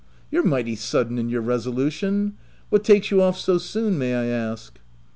You're mighty sudden in your resolution. What takes you off so soon, may* I ask ?"